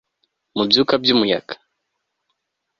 mubyuka byumuyaga